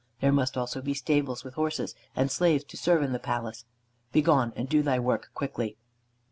There must also be stables with horses, and slaves to serve in the palace. Begone, and do thy work quickly."